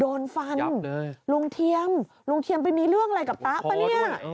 โดนฟันลุงเทียมลุงเทียมไปมีเรื่องอะไรกับตะปะเนี่ย